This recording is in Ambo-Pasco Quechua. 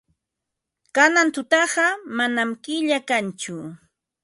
Kanan tutaqa manam killa kanchu.